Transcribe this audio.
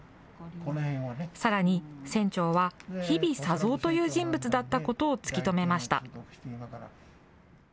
さらに、船長は日比左三という人物だったことを突き止めました。